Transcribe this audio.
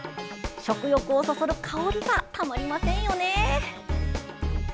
食欲をそそる香りがたまりませんよね。